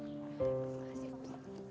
makasih pak ustadz